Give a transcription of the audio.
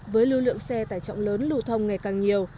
với lưu lượng xe tải trọng lớn lưu thông ngày càng nhiều